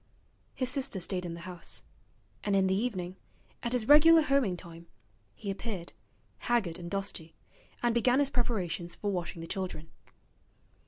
His sister stayed in the house, and in the evening, at his regular homing time, he appeared, haggard and dusty, and began his preparations for washing the children.